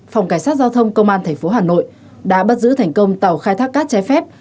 phòng cảnh sát giao thông công an thành phố hà nội đã bắt giữ thành công tàu khai thác cát chẽ phép